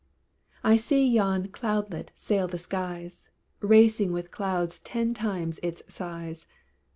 I see yon cloudlet sail the skies, Racing with clouds ten times its size.